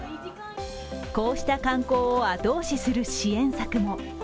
こうした観光を後押しする支援策も。